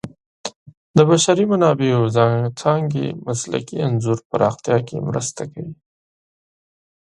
د بشري منابعو څانګې مسلکي انځور پراختیا کې مرسته کوي.